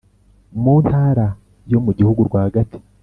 mu ntara yo mu gihugu rwagati.